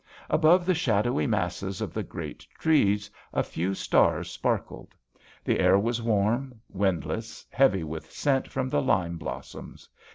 Above the shadowy masses of the great trees a few stars sparkled ; the air was warm, windless, heavy with scent from the lime blossoms.